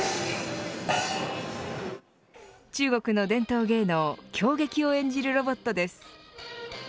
中国の伝統芸能京劇を演じるロボットです。